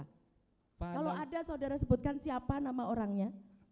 kalau ada saudara sebutkan siapa nama orangnya